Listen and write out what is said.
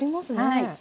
はい。